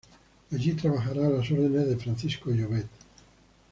Aquí trabajará a las órdenes de Francisco Llobet.